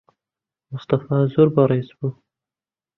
موستەفا زۆر بەڕێز بوو.